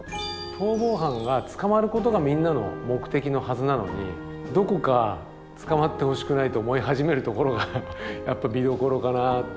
逃亡犯が捕まることがみんなの目的のはずなのにどこか捕まってほしくないと思い始めるところが見どころかな。